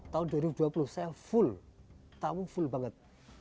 tahun dua ribu dua puluh saya full tamu full banget